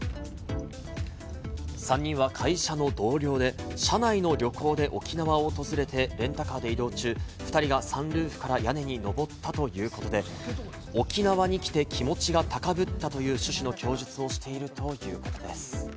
３人は会社の同僚で、社内の旅行で沖縄を訪れて、レンタカーで移動中、２人がサンルーフから屋根に登ったということで、沖縄に来て気持ちが高ぶったという趣旨の供述をしているということです。